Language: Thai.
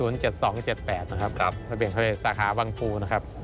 ๗๑๐๗๒๗๘นะครับระเบียงทะเลสาขาวางภูนะครับ